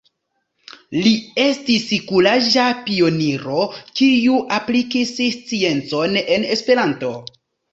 Li estis kuraĝa pioniro kiu aplikis sciencon en Esperanto.